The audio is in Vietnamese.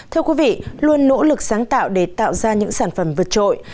thưa quý vị luôn nỗ lực sáng tạo để tạo ra những sản phẩm vượt trội